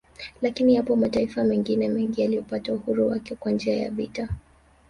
Lakini yapo mataifa mengine mengi yaliyopata uhuru wake kwa njia ya vita